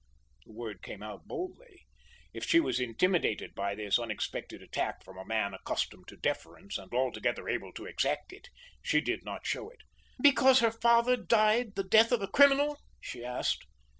The word came out boldly. If she was intimidated by this unexpected attack from a man accustomed to deference and altogether able to exact it, she did not show it. "Because her father died the death of a criminal?" she asked.